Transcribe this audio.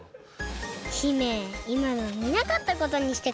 姫いまのみなかったことにしてください！